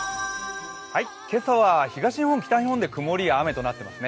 今朝は東日本、北日本で曇りや雨となっています。